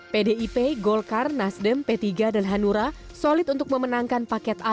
pdip golkar nasdem p tiga dan hanura solid untuk memenangkan paket a